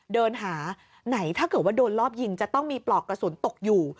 เดินหาไหนถ้าเกิดว่าโดนรอบยิงจะต้องมีปลอกกระสุนตกอยู่